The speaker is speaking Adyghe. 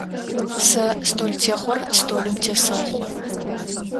Сэ столтехъор столым тесэхъо.